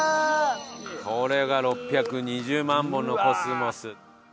これが６２０万本のコスモス。